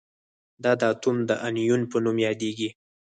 دا اتوم د انیون په نوم یادیږي.